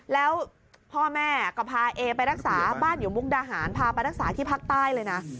แล้วพ่อแม่ก็พาเอไปรักษาบ้านอยู่มุกดาหารพาไปรักษาที่ภาคใต้เลยนะ